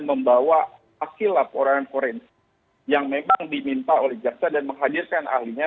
membawa aksi laporan korensi yang memang diminta oleh jaxa dan menghadirkan ahlinya